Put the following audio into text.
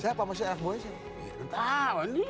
siapa masnya anak buahnya